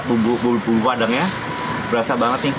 bumbu bumbu bumbu padangnya berasa banget nih